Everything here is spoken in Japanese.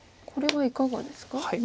これはいかがですか？